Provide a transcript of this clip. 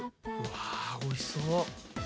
わおいしそう。